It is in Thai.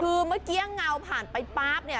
คือเมื่อกี้เงาผ่านไปป๊าบเนี่ย